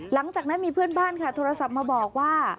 หลังจากนั้นมีเพื่อนบ้านค่ะโทรศัพท์มาบอกว่า